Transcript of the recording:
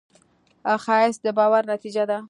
ښایست د باور نتیجه ده